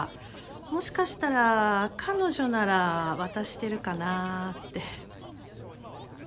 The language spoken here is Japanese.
もしかしたら彼女なら渡してるかなって。